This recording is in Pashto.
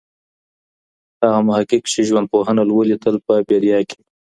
هغه محقق چي ژوندپوهنه لولي، تل په بیدیا کي وي.